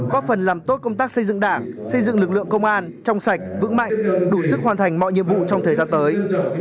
góp phần làm tốt công tác xây dựng đảng xây dựng lực lượng công an trong sạch vững mạnh đủ sức hoàn thành mọi nhiệm vụ trong thời gian tới